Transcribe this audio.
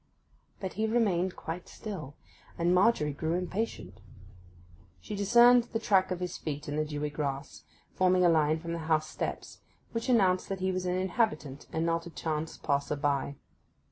But he remained quite still, and Margery grew impatient. She discerned the track of his feet in the dewy grass, forming a line from the house steps, which announced that he was an inhabitant and not a chance passer by.